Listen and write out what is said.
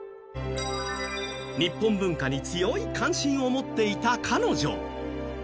日本文化に強い関心を持っていた彼女。